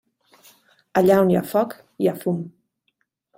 Allà on hi ha foc, hi ha fum.